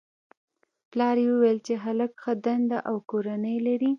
پلار یې ویل چې هلک ښه دنده او کورنۍ لري